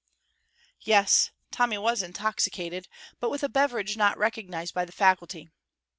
Yes, Tommy was intoxicated, but with a beverage not recognized by the faculty.